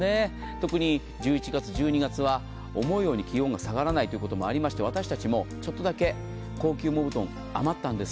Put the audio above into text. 特に１１月、１２月は思うように気温が下がらないということもあって私たちもちょっとだけ高級羽毛布団、余ったんです。